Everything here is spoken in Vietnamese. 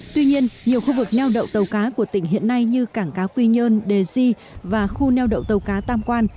tuy nhiên nhiều khu vực neo đậu tàu cá của tỉnh hiện nay như cảng cá quy nhơn đề di và khu neo đậu tàu cá tam quan